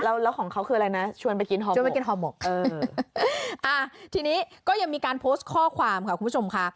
แล้วของเขาคืออะไรนะชวนไปกินห่อชวนไปกินห่อหมกเอออ่าทีนี้ก็ยังมีการโพสต์ข้อความค่ะคุณผู้ชมค่ะ